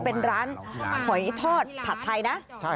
เป็นร้านหอยทอดผัดไทยนะ